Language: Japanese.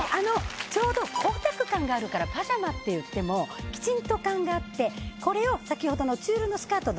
ちょうど光沢感があるからパジャマっていってもきちんと感があってこれを先ほどのチュールのスカートの。